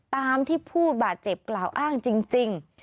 ตามที่ผู้บาดเจ็บกล่าวอ้างจริง